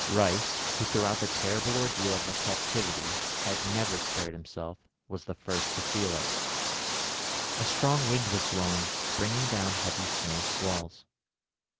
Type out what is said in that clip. Rice, who throughout the terrible ordeal of their captivity had never spared himself, was the first to feel it. A strong wind was blowing, bringing down heavy snow squalls.